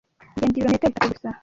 kugenda ibirometero bitatu gusa.